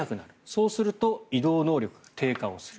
そうすると移動能力が低下をする。